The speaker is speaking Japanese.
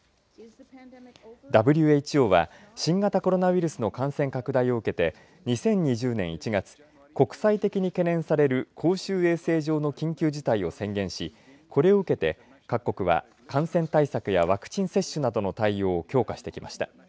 ＷＨＯは新型コロナウイルスの感染拡大を受けて２０２０年１月国際的に懸念される公衆衛生上の緊急事態を宣言しこれを受けて各国は感染対策やワクチン接種の対応を強化してきました。